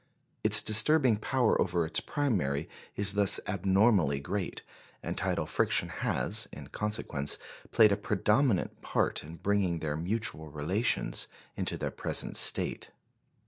Its disturbing power over its primary is thus abnormally great, and tidal friction has, in consequence, played a predominant part in bringing their mutual relations into their present state.